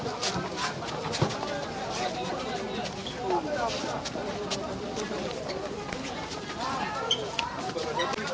pemeriksaan terkait lima belas telepon genggam disebutkan telah selesai diperiksa dan lima lainnya masih dalam tahap proses